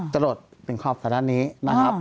จะลดเป็นขอบศาสตร์ด้านนี้นะครับ